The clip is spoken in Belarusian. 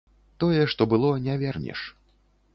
Тое, што было, не вернеш.